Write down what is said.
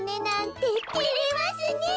てれますねえ。